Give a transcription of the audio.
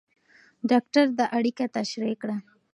ډاکټر دا اړیکه تشریح کړه.